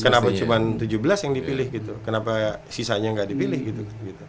kenapa cuma tujuh belas yang dipilih gitu kenapa sisanya nggak dipilih gitu